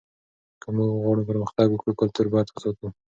که موږ غواړو پرمختګ وکړو کلتور باید وساتو.